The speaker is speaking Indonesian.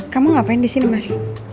kamu ngapain disini mas